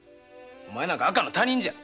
お前なんぞ赤の他人じゃ！